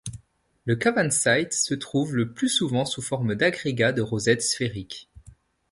La cavansite se trouve le plus souvent sous forme d'agrégats de rosettes sphériques.